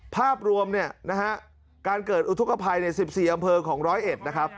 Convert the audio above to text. ภาพรวมการเกิดอุทธกภัยใน๑๔อำเภอของร้อยเอ็ด